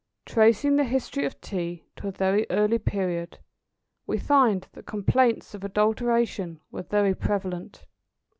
Tracing the history of Tea to a very early period, we find that complaints of adulteration were very prevalent.